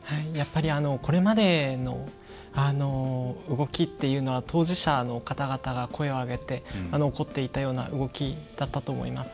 これまでの動きっていうのは当事者の方々が声を上げて起こっていたような動きだったと思います。